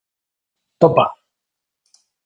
Topa!